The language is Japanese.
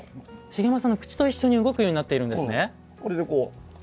茂山さんの口と一緒に動くようになっているんですね。